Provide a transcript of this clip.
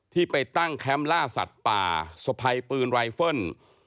ที่ไปตั้งแคมป์ล่าสัตว์ป่าสะพายปืนไวเฟิล